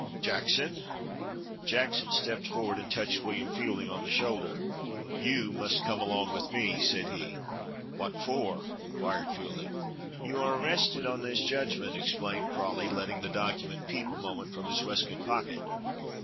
Jackson!" Jackson stepped forward and touched William Fielding on the shoulder. "You must come along with me," said he. "What for?" inquired Fielding. "You are arrested on this judgment," explained Crawley, letting the document peep a moment from his waistcoat pocket.